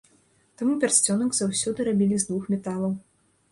Таму пярсцёнак заўсёды рабілі з двух металаў.